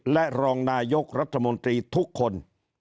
และรองนายกรัฐมนตรีทุกคน